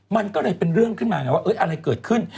มันก็เลยเป็นเรื่องขึ้นมาไงว่าอะไรเกิดขึ้น